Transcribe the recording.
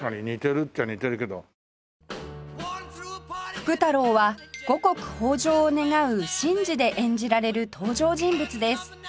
福太郎は五穀豊穣を願う神事で演じられる登場人物です